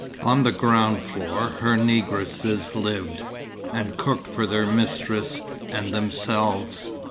On the ground floor her negresses lived, and cooked for their mistress and themselves.